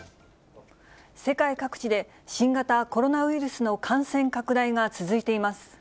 世界各地で、新型コロナウイルスの感染拡大が続いています。